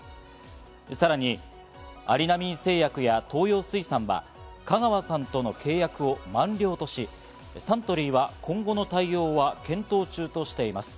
さらにアリナミン製薬や東洋水産は香川さんとの契約を満了とし、サントリーは今後の対応は検討中としています。